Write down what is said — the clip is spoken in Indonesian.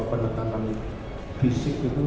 penekanan fisik itu